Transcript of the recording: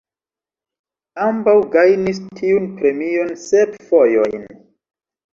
Ambaŭ gajnis tiun premion sep fojojn.